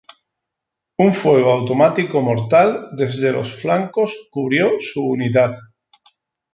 Un fuego automático mortal desde los flancos cubrió su unidad.